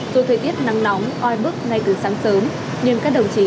dù thời tiết nắng nóng oi bức ngay từ sáng sớm nên các đồng chí